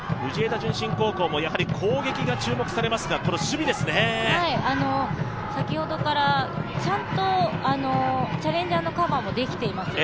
順心高校もやはり攻撃が注目されますが、先ほどからちゃんとチャレンジャーのカバーもできてますね。